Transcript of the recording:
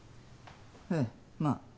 ええまあ。